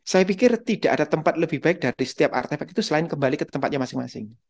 saya pikir tidak ada tempat lebih baik dari setiap artefak itu selain kembali ke tempatnya masing masing